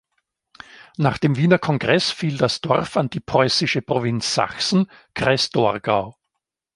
Nach dem Wiener Kongress fiel das Dorf an die preußische Provinz Sachsen, Kreis Torgau.